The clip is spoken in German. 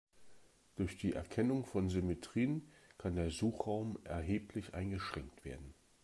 Durch die Erkennung von Symmetrien kann der Suchraum erheblich eingeschränkt werden.